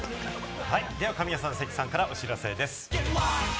神谷さん、関さんからお知らせです。